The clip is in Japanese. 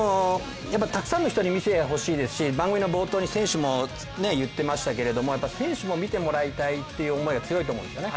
やっぱりたくさんの人に見てほしいですし番組の冒頭に選手も言ってましたけれども選手も見てもらいたいという思いが強いと思うんですよね。